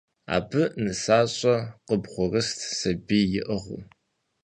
Абы нысащӏэ къыбгъурыст сабий иӏыгъыу.